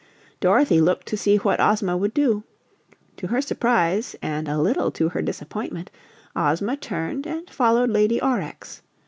Dorothy looked to see what Ozma would do. To her surprise and a little to her disappointment Ozma turned and followed Lady Aurex.